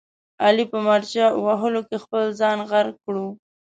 علي په مارچه وهلو کې خپل ځان غرق کړ.